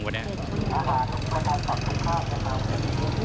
แต่วันนี้นานเนอะ๗ชั่วโมง